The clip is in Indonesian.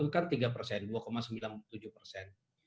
kan tiga persen dua sembilan puluh tujuh persen